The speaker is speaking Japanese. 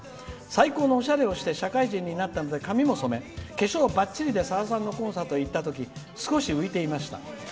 最高のおしゃれをして社会人になったので髪を染め化粧もばっちりでさださんのコンサートに行ったときに少し浮いていました。